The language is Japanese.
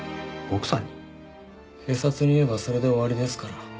警察に言えばそれで終わりですから。